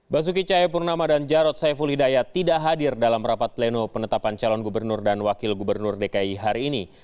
basuki cahayapurnama dan jarod saiful hidayat tidak hadir dalam rapat pleno penetapan calon gubernur dan wakil gubernur dki hari ini